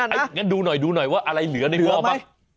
แล้วดูหน่อยว่าอะไรเหลือในหม้อใช่รึไง